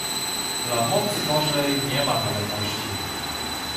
"dla mocy Bożej nie ma dalekości."